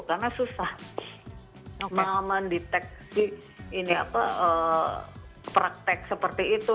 karena susah mengalami praktek seperti itu